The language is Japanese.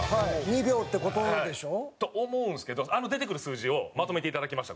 ２秒って事でしょ？と思うんですけどあの出てくる数字をまとめていただきました。